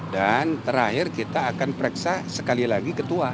dan terakhir kita akan periksa sekali lagi ketua